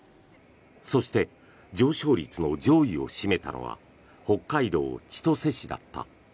そして上昇率の上位を占めたのは北海道千歳市だった。